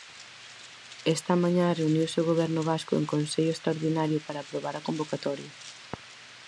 Esta mañá reuniuse o Goberno vasco en Consello extraordinario para aprobar a convocatoria.